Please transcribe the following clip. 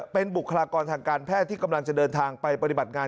เป็นบุคลากรทางการแพทย์ที่กำลังจะเดินทางไปปฏิบัติงาน